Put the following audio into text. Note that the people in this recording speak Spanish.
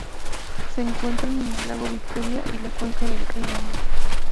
Se encuentran en el lago Victoria y la cuenca del río Nilo.